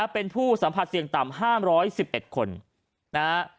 เป็นผู้สัมผัสเสี่ยงต่ำ๕๑๑คนนะฮะ